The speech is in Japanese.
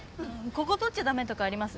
ここ撮っちゃ駄目とかあります？